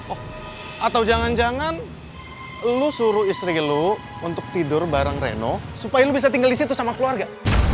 oh atau jangan jangan lu suruh istri lo untuk tidur bareng reno supaya lu bisa tinggal di situ sama keluarga